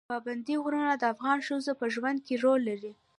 پابندی غرونه د افغان ښځو په ژوند کې رول لري.